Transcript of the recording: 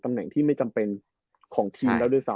แหน่งที่ไม่จำเป็นของทีมแล้วด้วยซ้